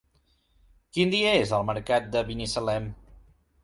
Quin dia és el mercat de Binissalem?